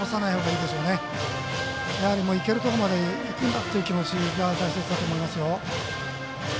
いけるところまでいくんだという気持ちが大切だと思いますよ。